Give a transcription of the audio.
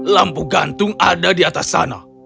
lampu gantung ada di atas sana